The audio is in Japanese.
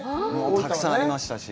たくさんありましたし。